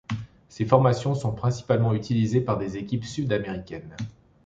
Ces formations sont principalement utilisées par des équipes sud-américaines.